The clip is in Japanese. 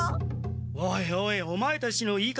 おいおいオマエたちの言い方